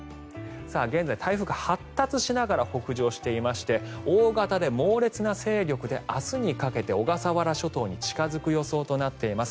現在、台風が発達しながら北上していまして大型で猛烈な勢力で明日にかけて小笠原諸島に近付く予想となっています。